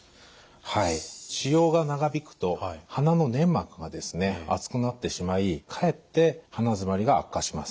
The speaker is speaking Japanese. はい使用が長引くと鼻の粘膜がですね厚くなってしまいかえって鼻詰まりが悪化します。